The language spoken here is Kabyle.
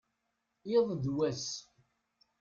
iḍ d wass